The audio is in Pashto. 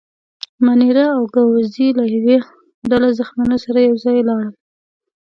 مانیرا او ګاووزي له یوه ډله زخیمانو سره یو ځای ولاړل.